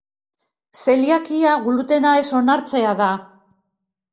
Zeliakia glutena ez onartzea da.